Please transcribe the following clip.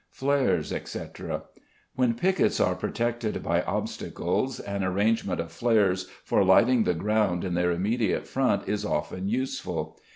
Flares, etc. When piquets are protected by obstacles an arrangement of flares for lighting the ground in their immediate front is often useful.